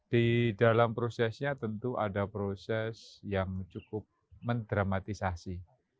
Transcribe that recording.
di dalam prosesnya tentu ada proses yang cukup mendramatisasi